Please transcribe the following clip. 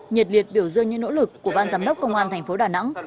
nhiệt liệt biểu dương những nỗ lực của ban giám đốc công an thành phố đà nẵng